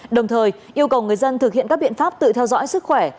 đồng thời yêu cầu người dân thực hiện các biện pháp tự theo dõi sức khỏe